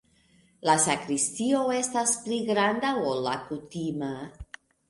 La sakristio estas pli granda, ol la kutima.